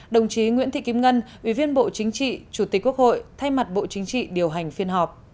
đồng chí nguyễn thị kim ngân ủy viên bộ chính trị chủ tịch quốc hội thay mặt bộ chính trị điều hành phiên họp